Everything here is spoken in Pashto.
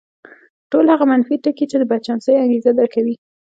ټول هغه منفي ټکي چې د بدچانسۍ انګېزه درکوي.